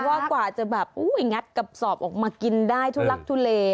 ว่ากว่าจะแบบงัดกระสอบออกมากินได้ทุลักทุเล